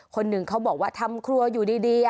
คนหนึ่งเขาบอกว่าทำครัวอยู่ดี